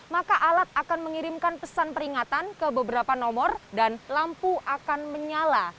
maka alat akan mengirimkan pesan peringatan ke beberapa nomor dan lampu akan menyala